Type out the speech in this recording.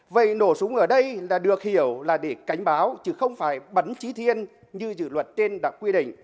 vậy nổ súng ở đây là được hiểu là để cảnh báo chứ không phải bắn chí thiên như dự luật trên đã quy định